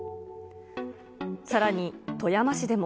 さらに富山市でも。